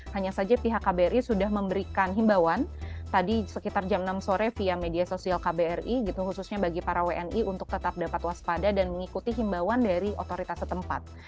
hanya saja pihak kbri sudah memberikan himbauan tadi sekitar jam enam sore via media sosial kbri gitu khususnya bagi para wni untuk tetap dapat waspada dan mengikuti himbauan dari otoritas setempat